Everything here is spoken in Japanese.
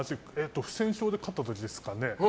不戦勝で勝った時ですかね